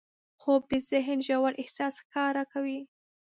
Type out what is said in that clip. خوب د ذهن ژور احساس ښکاره کوي